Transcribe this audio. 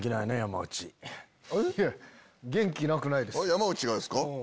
山内がですか？